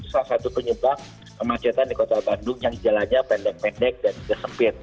salah satu penyebab kemacetan di kota bandung yang jalannya pendek pendek dan juga sempit